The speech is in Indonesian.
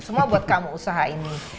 semua buat kamu usaha ini